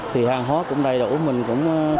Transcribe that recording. thì hàng hóa cũng đầy đủ